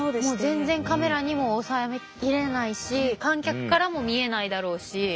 全然カメラにも収め切れないし観客からも見えないだろうし。